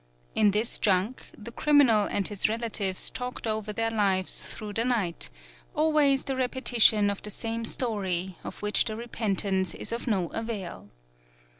In this junk, the criminal and his relatives talked over their lives through the night, always the repetition of the same story of which the repent ance is of no avail.